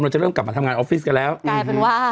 จะเริ่มกลับมาทำงานออฟฟิศกันแล้วกลายเป็นว่า